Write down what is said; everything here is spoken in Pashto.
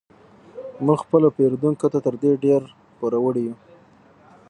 موږ خپلو پیرودونکو ته تر دې ډیر پور وړ یو